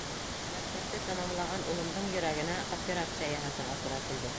Мәктәпте тамамлаған улымдың йөрәгенә операция яһатырға тура килде.